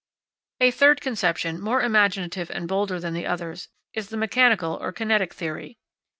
A third conception, more imaginative and bolder than the others, is the mechanical or kinetic theory.